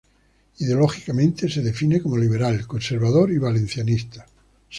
Ideológicamente, se define como liberal, conservador y valencianista.